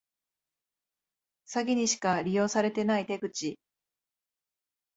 詐欺にしか利用されてない手口